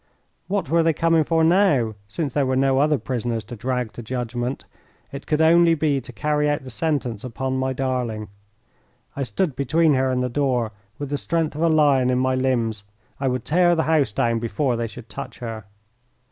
What were they coming for now, since there were no other prisoners to drag to judgment? It could only be to carry out the sentence upon my darling. I stood between her and the door, with the strength of a lion in my limbs. I would tear the house down before they should touch her.